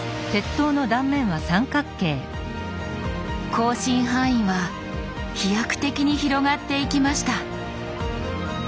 交信範囲は飛躍的に広がっていきました。